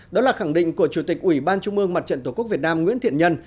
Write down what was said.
đó là khẳng định của chủ tịch ủy ban trung mương mặt trận tổ quốc việt nam nguyễn thiện nhân